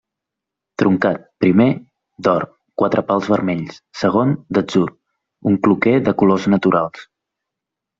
Truncat; primer, d'or, quatre pals vermells; segon, d'atzur, un cloquer de colors naturals.